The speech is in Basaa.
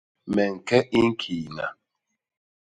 Me ñke i ñkiiña.